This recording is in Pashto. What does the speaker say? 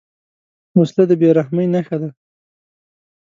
وسله د بېرحمۍ نښه ده